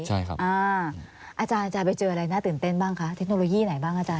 ใช่ครับอาจารย์ไปเจออะไรน่าตื่นเต้นบ้างคะเทคโนโลยีไหนบ้างอาจาร